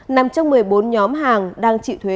nằm trong một mươi bốn nhóm hàng đang chịu thuế